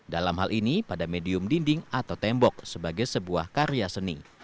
dalam hal ini pada medium dinding atau tembok sebagai sebuah karya seni